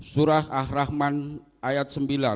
surah ah rahman ayat sembilan